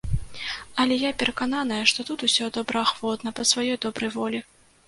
Але я перакананая, што тут усе добраахвотна, па сваёй добрай волі.